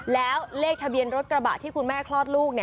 แล้วเลขทะเบียนรถกระบะที่คุณแม่คลอดลูก